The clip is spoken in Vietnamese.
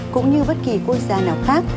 cũng như bất kỳ quốc gia nào khác